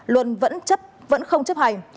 luân vẫn không chấp hành